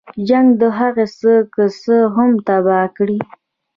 جنګ د هغه څه که څه هم تباه کړي.